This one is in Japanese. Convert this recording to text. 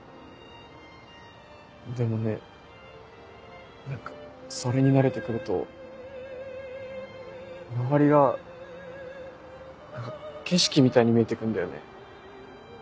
でもね何かそれに慣れてくると周りが何か景色みたいに見えてくんだよね。